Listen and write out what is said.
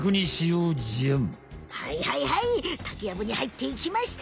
はいはいはいタケやぶにはいっていきました！